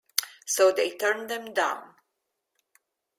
So they turned them down.